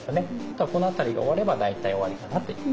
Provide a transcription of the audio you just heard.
だからこの辺りが終われば大体終わりかなという。